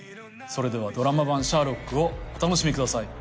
それではドラマ版『シャーロック』をお楽しみください。